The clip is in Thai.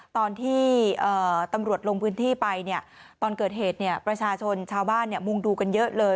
ตอนที่ตำรวจลงพื้นที่ไปเนี่ยตอนเกิดเหตุประชาชนชาวบ้านมุงดูกันเยอะเลย